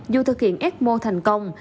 dù thực hiện ecmo thành công